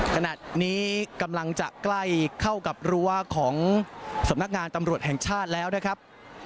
ขณะนี้กำลังจะใกล้เข้ากับรั้วของสำนักงานตำรวจแห่งชาติแล้วนะครับ